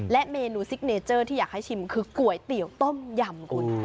เมนูซิกเนเจอร์ที่อยากให้ชิมคือก๋วยเตี๋ยวต้มยำคุณ